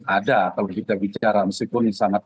ada kalau kita bicara meskipun sangat